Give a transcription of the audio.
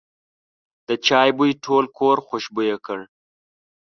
د چای بوی ټول کور خوشبویه کړ.